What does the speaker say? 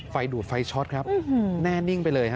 ไฟดูดไฟช็อตครับแน่นิ่งไปเลยฮ